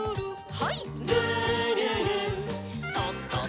はい。